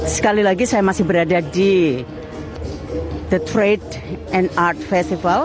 sekali lagi saya masih berada di the trade and art festival